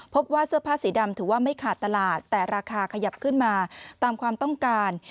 พบว่าเสื้อผ้าสีดำถือว่าไม่ขาดตลาดแต่ราคาขยับขึ้นมาตามความต้องการ